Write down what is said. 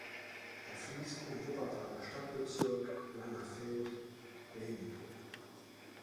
Er fließt im Wuppertaler Stadtbezirk Langerfeld-Beyenburg.